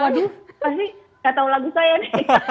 waduh pasti gak tau lagu sayang